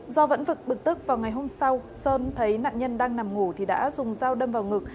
do vẫn vực bực tức vào ngày hôm sau sơn thấy nạn nhân đang nằm ngủ thì đã dùng dao đâm vào ngực